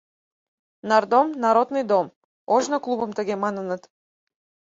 Нардом — народный дом, ожно клубым тыге маныныт.